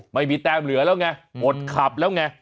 ไม่มีแต้มเหลือแล้วไงอดขับแล้วไง